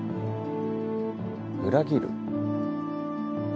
裏切る？